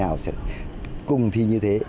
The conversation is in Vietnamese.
nào sẽ cùng thi như thế